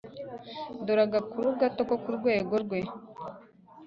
dore agakuru gato ko ku rwego rwe